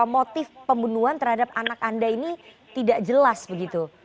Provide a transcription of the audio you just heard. motif pembunuhan terhadap anak anda ini tidak jelas begitu